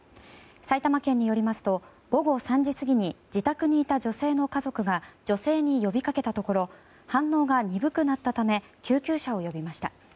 埼玉県によりますと午後３時過ぎに自宅にいた女性の家族が女性に呼び掛けたところ反応が鈍くなったため救急車を呼びました。